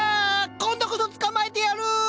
今度こそ捕まえてやる！